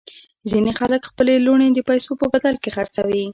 ځینې خلک خپلې لوڼې د پیسو په بدل کې خرڅوي.